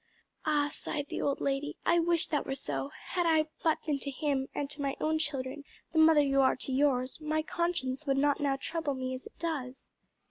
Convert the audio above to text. "Ah!" sighed the old lady, "I wish that were so: had I but been to him, and to my own children, the mother you are to yours, my conscience would not now trouble me as it does."